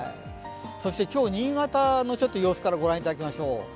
そして今日、新潟の様子から御覧いただきましょう。